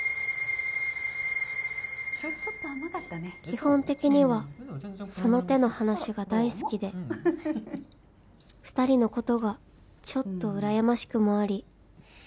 ［基本的にはその手の話が大好きで２人のことがちょっとうらやましくもあり］